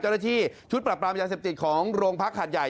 เจ้าหน้าที่ชุดปรับปรามยาเสพติดของโรงพักหัดใหญ่